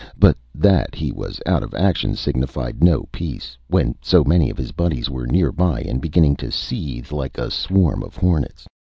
But that he was out of action signified no peace, when so many of his buddies were nearby, and beginning to seethe, like a swarm of hornets.